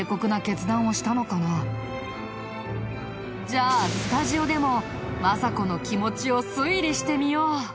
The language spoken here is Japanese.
じゃあスタジオでも政子の気持ちを推理してみよう。